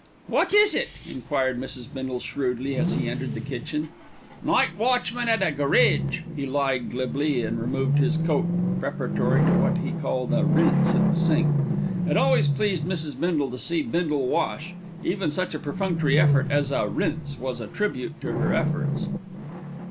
"What is it?" enquired Mrs. Bindle shrewdly as he entered the kitchen. "Night watchman at a garridge," he lied glibly, and removed his coat preparatory to what he called a "rinse" at the sink. It always pleased Mrs. Bindle to see Bindle wash; even such a perfunctory effort as a "rinse" was a tribute to her efforts.